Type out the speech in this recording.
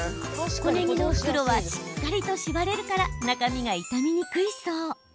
小ねぎの袋はしっかりと縛れるから中身が傷みにくいそう。